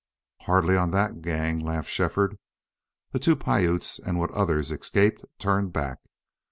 "Hardly on that gang," laughed Shefford. "The two Piutes and what others escaped turned back.